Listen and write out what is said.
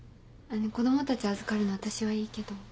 子供たち預かるの私はいいけど。